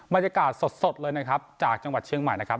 บรรยากาศสดเลยนะครับจากจังหวัดเชียงใหม่นะครับ